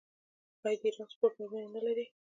آیا د ایران سپورټ میرمنې نلري؟